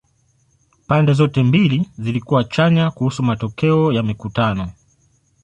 Pande zote mbili zilikuwa chanya kuhusu matokeo ya mikutano.